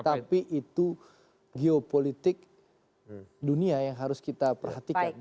tapi itu geopolitik dunia yang harus kita perhatikan